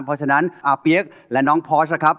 เพราะฉะนั้นอาเปี๊ยกและน้องพอร์สนะครับ